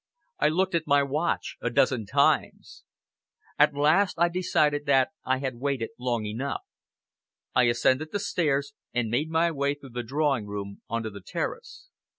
I looked at my watch a dozen times. At last I decided that I had waited long enough. I ascended the stairs, and made my way through the drawing room on to the terrace.